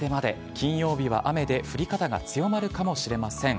金曜日は雨で降り方が強まるかもしれません。